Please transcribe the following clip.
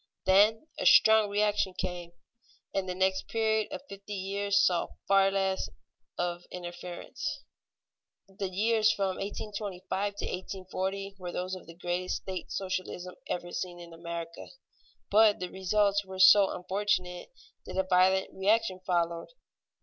Then a strong reaction came, and the next period of fifty years saw far less of interference. The years from 1825 to 1840 were those of the greatest state socialism ever seen in America, but the results were so unfortunate that a violent reaction followed.